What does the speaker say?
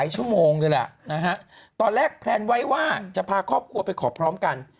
ตอนแรกแพลนไว้ว่าจะพาครอบครัวไปขอบพร้อมกัน